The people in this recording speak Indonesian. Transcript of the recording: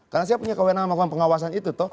karena saya punya kewenangan dengan pengawasan itu